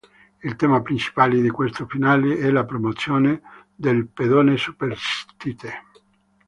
Il tema principale di questo finale è la promozione del pedone superstite.